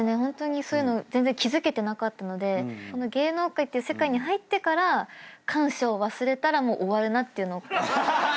そういうの全然気付けてなかったのでこの芸能界っていう世界に入ってから感謝を忘れたらもう終わるなっていう。